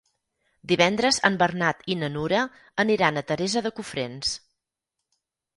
Divendres en Bernat i na Nura aniran a Teresa de Cofrents.